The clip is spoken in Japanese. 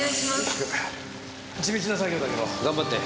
地道な作業だけど頑張って。